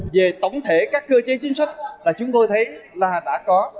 về tổng thể các cơ chế chính sách là chúng tôi thấy là đã có